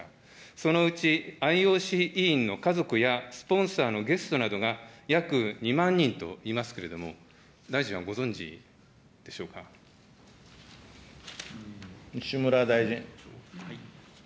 そのうちＩＯＣ委員の家族やスポンサーのゲストなどが、約２万人といいますけれども、大臣はご存西村大臣。